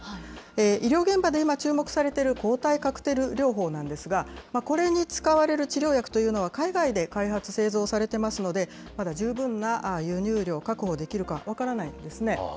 医療現場で今、注目されている抗体カクテル療法なんですが、これに使われる治療薬というのは海外で開発・製造されてますので、まだ十分な輸入量を確保できるか分からないんですね。